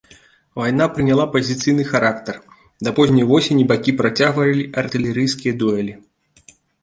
Вайна прыняла пазіцыйны характар, да позняй восені бакі працягвалі артылерыйскія дуэлі.